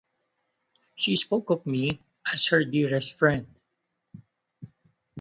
She spoke of me as her dearest friend.